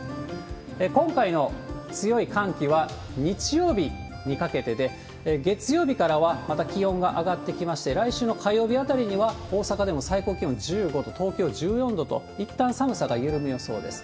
今回の強い寒気は日曜日にかけてで、月曜日からはまた気温が上がってきまして、来週の火曜日あたりには、大阪でも最高気温１５度、東京１４度と、いったん寒さが緩む予想です。